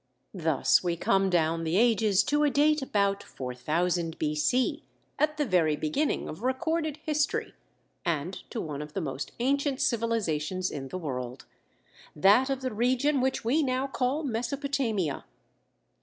Thus we come down the ages to a date about 4000 B. C. at the very beginning of recorded history, and to one of the most ancient civilizations in the world—that of the region which we now call Mesopotamia.